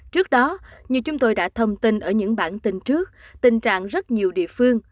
trước đó như chúng tôi đã thông tin ở những bản tin trước tình trạng rất nhiều địa phương